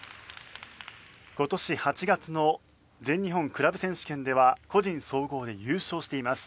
今年８月の全日本クラブ選手権では個人総合で優勝しています。